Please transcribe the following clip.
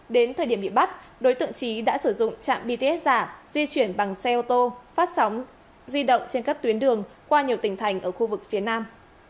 đến thời điểm bị bắt đối tượng trí đã sử dụng trạm bts giả di chuyển bằng xe ô tô phát sóng di động trên các tuyến đường qua nhiều tỉnh thành ở khu vực phía nam